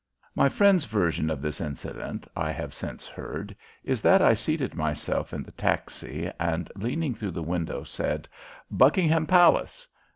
My friends' version of this incident, I have since heard, is that I seated myself in the taxi and, leaning through the window, said, "Buckingham Palace!"